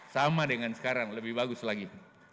sama dengan sekarang lebih bagus lagi